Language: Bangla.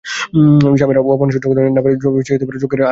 স্বামীর অপমান সহ্য করতে না পেরে সতী যজ্ঞের আগুনে আত্মহত্যা করেন।